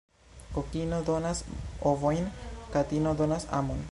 Kokino donas ovojn, katino donas amon.